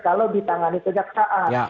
kalau ditangani kejaksaan